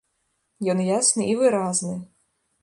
Ён ясны і выразны.